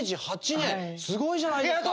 すごいじゃないですか！